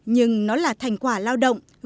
nhưng nó là thành quả lao động